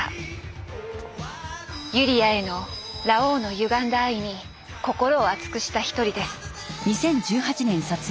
ユリアへのラオウのゆがんだ愛に心を熱くした一人です。